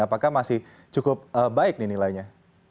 apakah masih cukup baik nih nilainya